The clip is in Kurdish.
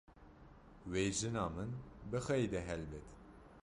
Wê jina min bixeyde helbet.